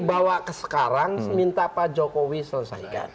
sampah kesekarang minta pak jokowi selesaikan